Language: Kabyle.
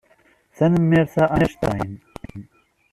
Tanemmirt a Einstein.